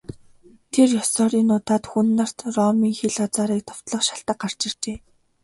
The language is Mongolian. Тэр ёсоор энэ удаад Хүн нарт Ромын хил хязгаарыг довтлох шалтаг гарч иржээ.